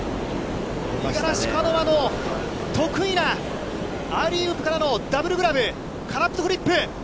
五十嵐カノアの得意なアリウープからのダブルグラブ、カラットフリップ。